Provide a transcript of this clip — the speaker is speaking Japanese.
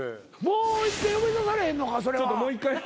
もう一遍呼び出されへんのか？